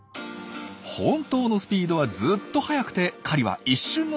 本当のスピードはずっと速くて狩りは一瞬の出来事なんですよ。